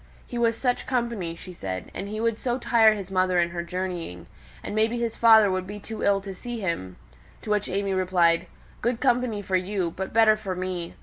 "He was such company," she said; "and he would so tire his mother in her journeyings; and maybe his father would be too ill to see him." To which AimÄe replied, "Good company for you, but better for me.